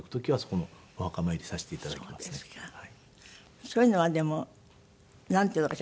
そういうのはでもなんていうのかしら。